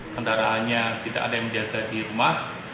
kendaraannya tidak ada yang menjaga di rumah